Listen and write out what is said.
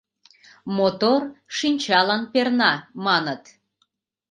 Мотор шинчалан перна, маныт...